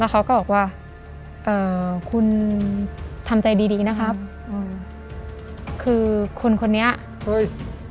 เขาก็บอกว่าเอ่อคุณทำใจดีดีนะครับอืมคือคนคนนี้เฮ้ย